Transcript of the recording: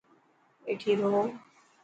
ٻيٺي رهه.